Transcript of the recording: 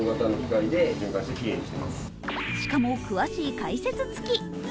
しかも詳しい解説付き。